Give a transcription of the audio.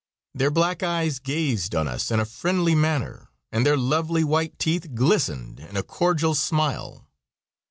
Their black eyes gazed on us in a friendly manner and their lovely white teeth glistened in a cordial smile.